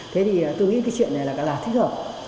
thế thì tôi nghĩ cái chuyện này là thích hợp